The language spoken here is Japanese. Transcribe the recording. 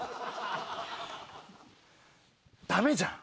ダメじゃん。